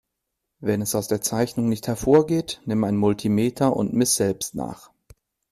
Wenn es aus der Zeichnung nicht hervorgeht, nimm ein Multimeter und miss selbst nach.